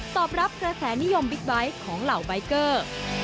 ตอบรับกระแสนิยมบิ๊กไบท์ของเหล่าใบเกอร์